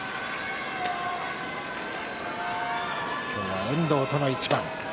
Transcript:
今日は遠藤との一番。